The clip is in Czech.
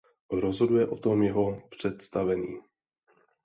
Rozhoduje o tom jeho představený.